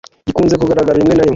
gikunze kugaragara rimwe na rimwe